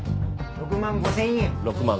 ６万５０００円。